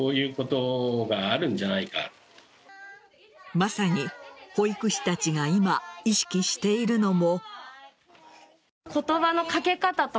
まさに保育士たちが今、意識しているのも。